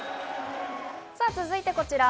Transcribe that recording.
続いてこちら。